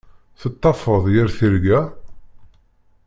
Tettafeḍ yir tirga?